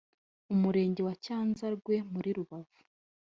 Umurenge wa Cyanzarwe muri Rubavu